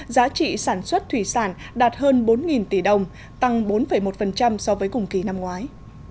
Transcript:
giá trị sản xuất thủy sản đạt hơn bốn tỷ đồng tăng bốn một so với cùng kỳ năm ngoái